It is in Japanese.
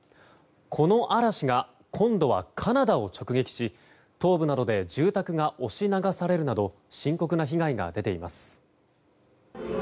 この嵐が、今度はカナダを直撃し東部などで住宅が押し流されるなど深刻な被害が出ています。